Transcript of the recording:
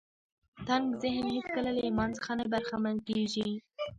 تنګ ذهن هېڅکله له ايمان څخه نه برخمن کېږي.